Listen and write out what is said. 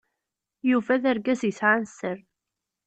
Yuba d argaz yesɛan sser.